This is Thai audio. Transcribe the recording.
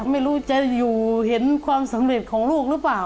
ไม่รู้จะอยู่เห็นความสำเร็จของลูกหรือเปล่า